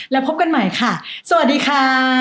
แล้วพบกันใหม่ค่ะสวัสดีค่ะ